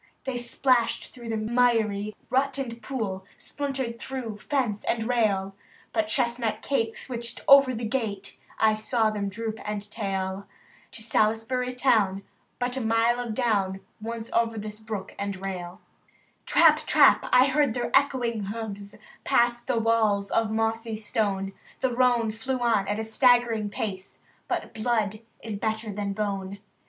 They splashed through miry rut and pool, — SpUntered through fence and rail, But chestnut Kate switched over the gate, — I saw them droop and tail. To Salisbury town— but a mile of down. Once over this brook and rail. 326 THE TREASURE CHEST Trap! Trap! I heard their echoing hoofs Past the walls of mossy stone, The roan flew on at a staggering pace, But blood is better than bone.